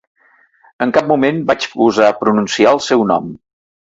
En cap moment vaig gosar pronunciar el seu nom.